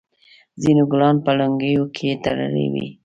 ځینو ګلان په لونګیو کې تړلي وي.